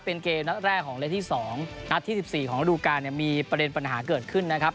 เป็นเกมนัดแรกของเลขที่๒นัดที่๑๔ของระดูการเนี่ยมีประเด็นปัญหาเกิดขึ้นนะครับ